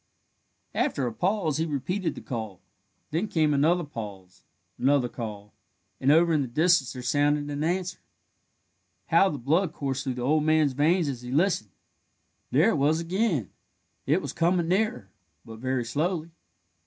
After a pause he repeated the call; then came another pause, another call, and over in the distance there sounded an answer. How the blood coursed through the old man's veins as he listened! There it was again. It was coming nearer, but very slowly.